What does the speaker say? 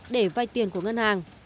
để vay tiền của ngân hàng